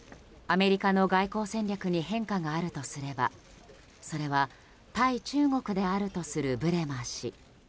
アメリカの外交戦略に変化があるとすればそれは、対中国であるとするブレマー氏。